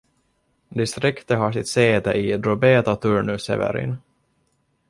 Distriktet har sitt säte i Drobeta-Turnu Severin.